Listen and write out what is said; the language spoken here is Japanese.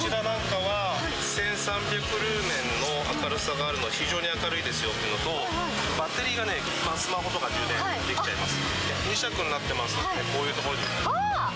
車に食べ物にグッズに、いろいろ例えばこちらなんかは、１３００ルーメンの明るさがあるので、非常に明るいですよというのと、バッテリーがスマホとか充電できちゃいます。